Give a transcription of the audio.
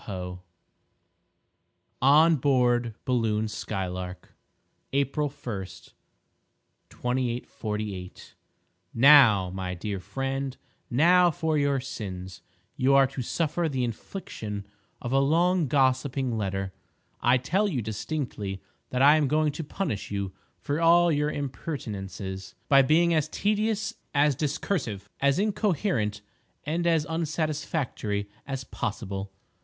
POE {this paragraph not in the volume—ED} ON BOARD BALLOON "SKYLARK" April, 1, 2848 Now, my dear friend—now, for your sins, you are to suffer the infliction of a long gossiping letter. I tell you distinctly that I am going to punish you for all your impertinences by being as tedious, as discursive, as incoherent and as unsatisfactory as possible.